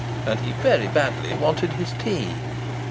And he very badly wanted his tea.